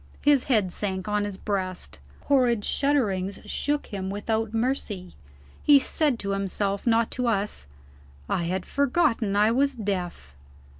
His head sank on his breast; horrid shudderings shook him without mercy; he said to himself not to us: "I had forgotten I was deaf."